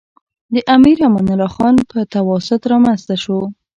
د امیر امان الله خان په تواسط رامنځته شو.